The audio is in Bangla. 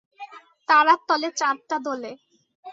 তারার তলে চাঁদটা দোলে।